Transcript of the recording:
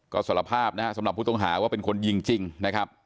ก็สารภาพนะฮะสำหรับผู้ต้องหาว่าเป็นคนยิงจริงนะครับ